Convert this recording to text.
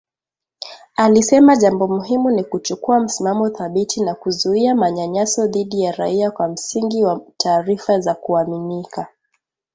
Alisema jambo muhimu ni kuchukua msimamo thabiti na kuzuia manyanyaso dhidi ya raia kwa msingi wa taarifa za kuaminika